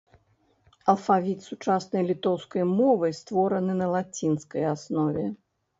Алфавіт сучаснай літоўскай мовы створаны на лацінскай аснове.